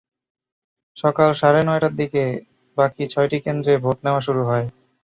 সকাল সাড়ে নয়টার দিকে বাকি ছয়টি কেন্দ্রে ভোট নেওয়া শুরু হয়।